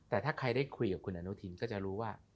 แต่ถ้าใครได้คุยกับคุณอนุทินก็จะรู้ว่า